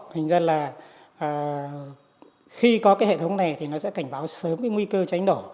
thành ra là khi có cái hệ thống này thì nó sẽ cảnh báo sớm cái nguy cơ cháy nổ